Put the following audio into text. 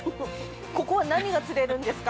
◆ここは何が釣れるんですか？